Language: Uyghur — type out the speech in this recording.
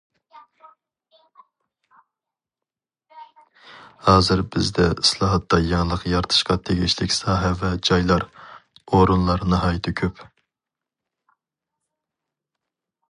ھازىر بىزدە ئىسلاھاتتا يېڭىلىق يارىتىشقا تېگىشلىك ساھە ۋە جايلار، ئورۇنلار ناھايىتى كۆپ.